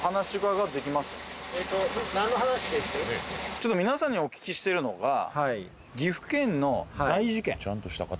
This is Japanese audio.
ちょっと皆さんにお聞きしてるのが大事ケン